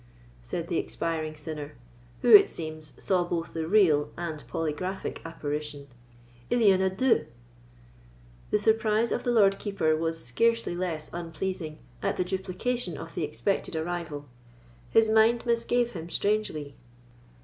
_" said the expiring sinner, who, it seems, saw both the real and polygraphic apparition, "il y en a deux!" The surprise of the Lord Keeper was scarcely less unpleasing at the duplication of the expected arrival; his mind misgave him strangely.